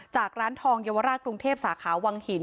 จากร้านทองเยอะวระระยะกรุงเทพสาขาวังหิน